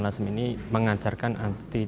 lasem ini mengajarkan arti